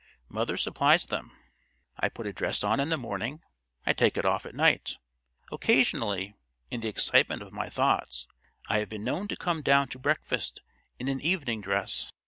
Mother supplies them. I put a dress on in the morning—I take it off at night. Occasionally, in the excitement of my thoughts, I have been known to come down to breakfast in an evening dress.